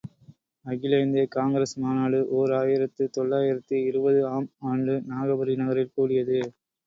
அகில இந்திய காங்கிரஸ் மாநாடு ஓர் ஆயிரத்து தொள்ளாயிரத்து இருபது ஆம் ஆண்டு நாகபுரி நகரில் கூடியது.